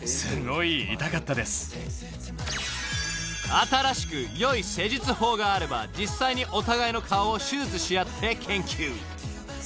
［新しく良い施術法があれば実際にお互いの顔を手術しあって研究］